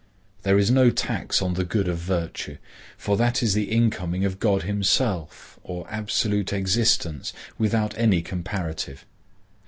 There is no tax on the good of virtue, for that is the incoming of God himself, or absolute existence, without any comparative.